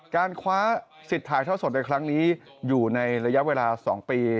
การคว้าสิทธิ์ถ่ายท่อสดในครั้งนี้อยู่ในระยะเวลา๒ปี